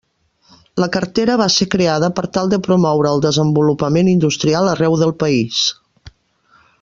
La cartera va ser creada per tal de promoure el desenvolupament industrial arreu del país.